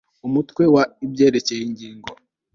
umutwe wa ibyerekeye ingingo